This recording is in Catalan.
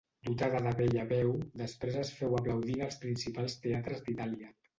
Dotada de bella veu, després es féu aplaudir en els principals teatres d'Itàlia.